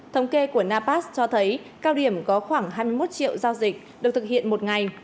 thống kê của napas cho thấy cao điểm có khoảng hai mươi một triệu giao dịch được thực hiện một ngày